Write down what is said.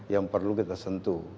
yang perlu kita sentuh